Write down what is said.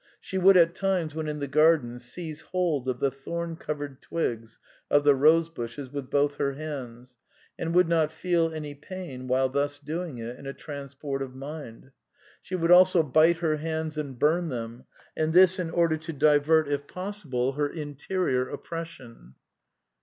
" She would at times, when in the garden, seize hold of the thorn cov ered twigs of the rose bushes with both her hands; and would not feel any pain while thus doing it in a transport of mind. She would also bite her hands and bum them, and this in order to divert, if possible, her interior op pression."